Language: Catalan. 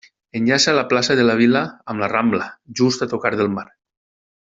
Enllaça la plaça de la Vila amb la Rambla, just a tocar del mar.